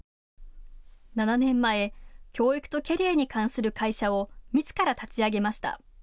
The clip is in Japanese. ７年前、教育とキャリアに関する会社をみずから立ち上げました。